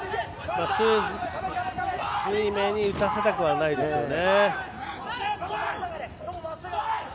朱瑞銘に打たせたくはないですね。